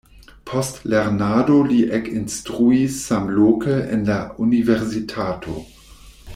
Post lernado li ekinstruis samloke en la universitato.